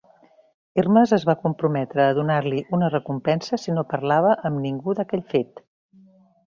Hermes es va comprometre a donar-li una recompensa si no parlava amb ningú d'aquell fet.